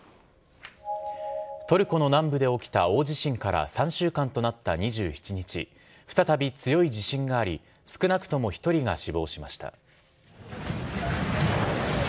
トルコの南部で起きた大地震から３週間となった２７日、再び強い地震があり、少なくとも１人が死亡しました。